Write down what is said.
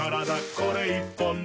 これ１本で」